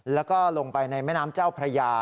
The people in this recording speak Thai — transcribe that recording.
แล้วก็ลงไปในแม่น้ำเจ้าพระยา